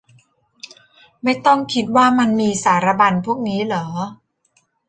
ไม่ต้องคิดว่ามันมีสารบัญพวกนี้หรอ